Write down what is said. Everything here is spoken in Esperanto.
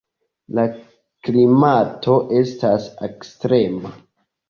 La klimato estas ekstrema.